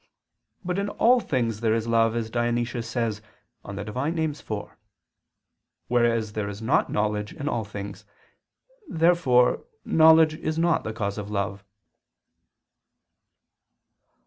But in all things there is love, as Dionysius says (Div. Nom. iv); whereas there is not knowledge in all things. Therefore knowledge is not the cause of love.